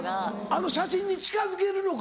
あの写真に近づけるのか。